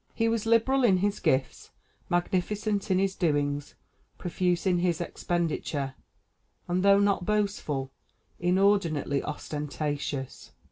He was liberal in his gifts, magnificent in his doings, profuse in his expenditure, and, though not boastful, inordinately ostentatious.